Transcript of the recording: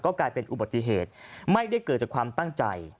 กลายเป็นอุบัติเหตุไม่ได้เกิดจากความตั้งใจ